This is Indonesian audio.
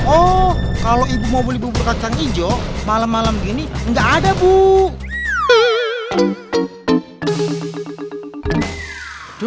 oh kalau ibu mau beli bubur kacang hijau malam malam gini nggak ada bu